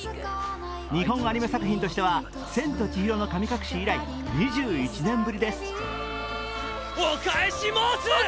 日本アニメ作品としては「千と千尋の神隠し」以来、２１年ぶりです。